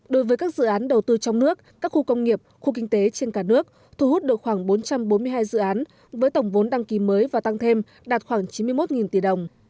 đối với các dự án đầu tư trong nước các khu công nghiệp khu kinh tế trên cả nước thu hút được khoảng bốn trăm bốn mươi hai dự án với tổng vốn đăng ký mới và tăng thêm đạt khoảng chín mươi một tỷ đồng